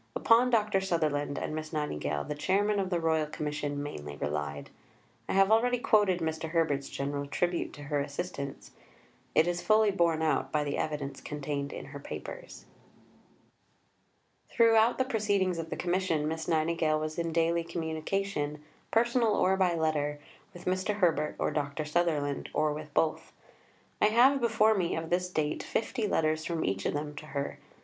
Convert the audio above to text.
Upon Dr. Sutherland and Miss Nightingale the Chairman of the Royal Commission mainly relied. I have already quoted Mr. Herbert's general tribute to her assistance (p. 312). It is fully borne out by the evidence contained in her papers. Throughout the proceedings of the Commission, Miss Nightingale was in daily communication personal, or by letter with Mr. Herbert or Dr. Sutherland, or with both. I have before me, of this date, fifty letters from each of them to her.